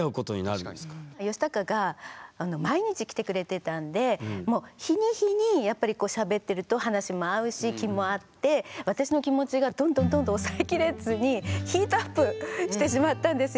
ヨシタカが毎日来てくれてたんでもう日に日にやっぱりこうしゃべってると話も合うし気も合って私の気持ちがどんどんどんどん抑えきれずにヒートアップしてしまったんですよ。